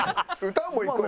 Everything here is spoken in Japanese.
歌もいく？